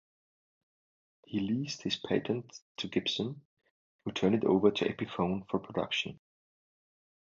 He leased his patent to Gibson, who turned it over to Epiphone for production.